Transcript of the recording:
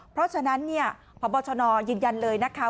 เพราะฉะนั้นพบชนยืนยันเลยนะคะ